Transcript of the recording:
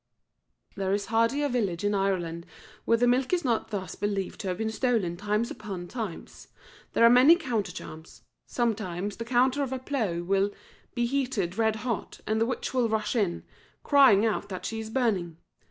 [There is hardly a village in Ireland where the milk is not thus believed to have been stolen times upon times. There are many counter charms. Sometimes the coulter of a plough will be heated red hot, and the witch will rush in, crying out that she is burning.